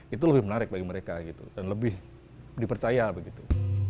itu lebih menarik bagi mereka gitu dan lebih dipercaya begitu